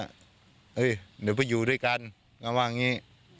เฮ้ยเดี๋ยวไปอยู่ด้วยกันก็ว่าอย่างนี้